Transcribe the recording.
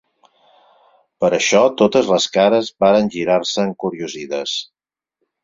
Per això totes les cares varen girar-se encuriosides.